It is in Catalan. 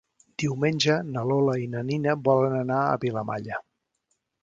Diumenge na Lola i na Nina volen anar a Vilamalla.